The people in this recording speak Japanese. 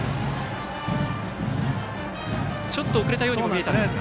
ちょっと遅れたようにも見えましたが。